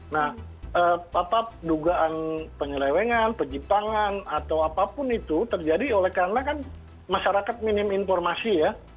nah apa dugaan penyelewengan penyimpangan atau apapun itu terjadi oleh karena kan masyarakat minim informasi ya